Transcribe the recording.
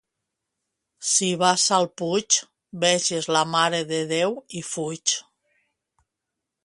Si vas al Puig, veges la Mare de Déu i fuig.